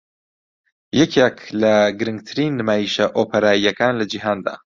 یەکێک لە گرنگترین نمایشە ئۆپێراییەکان لە جیهاندا